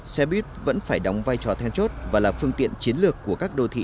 xe buýt vẫn phải đóng vai trò then chốt và là phương tiện chiến lược của các đô thị